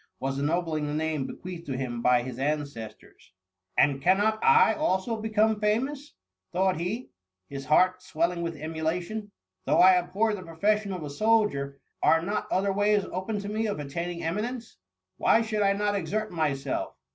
was ennobling the name bequeathed to him by his ancestors. And cannot I also become famous ?" thought he, his heart swelling with emulation. " Though I abhor the profession of a soldier are not other ways open to me of attaining emi nence? Why should I not exert myself?